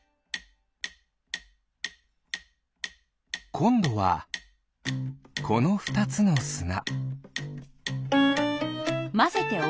こんどはこのふたつのすな。